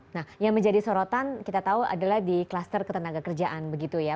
nah yang menjadi sorotan kita tahu adalah di kluster ketenaga kerjaan begitu ya